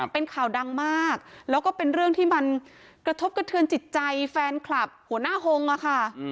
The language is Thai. เป็นข่าวดังมากแล้วก็เป็นเรื่องที่มันกระทบกระเทือนจิตใจแฟนคลับหัวหน้าฮงอะค่ะ